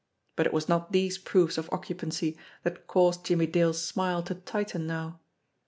But it was not these proofs of occupancy that caused Jimmie Dale's smile to tighten now.